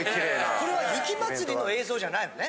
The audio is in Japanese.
これは雪まつりの映像じゃないのね？